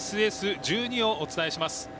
ＳＳ１２をお伝えします。